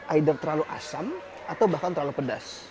either terlalu asam atau bahkan terlalu pedas